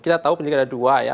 kita tahu penyidik ada dua ya